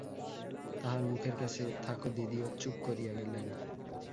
তাহার মুখের কাছে থাকোদিদিও চুপ করিয়া গেলেন।